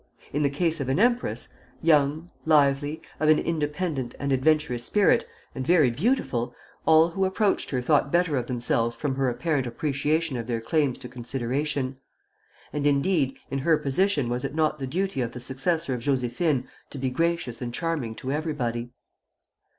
In the case of an empress, young, lively, of an independent and adventurous spirit, and very beautiful, all who approached her thought better of themselves from her apparent appreciation of their claims to consideration; and, indeed, in her position was it not the duty of the successor of Josephine to be gracious and charming to everybody?